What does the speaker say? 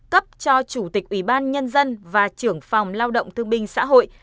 cấp cho chủ tịch ủy ban nhân dân và trưởng phòng lao động thương binh xã hội